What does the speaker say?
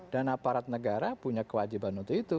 dan aparat negara punya kewajiban untuk itu